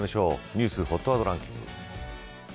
ニュースＨＯＴワードランキング。